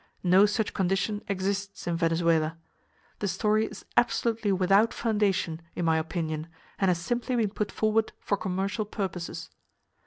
No such condition exists in Venezuela. The story is absolutely without foundation, in my opinion, and has simply been put forward for commercial purposes.